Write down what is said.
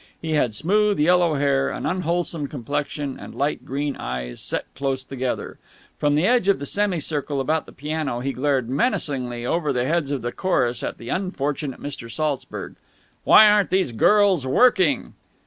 He had smooth, yellow hair, an unwholesome complexion, and light green eyes, set close together. From the edge of the semi circle about the piano, he glared menacingly over the heads of the chorus at the unfortunate Mr. Saltzburg. "Why aren't these girls working?"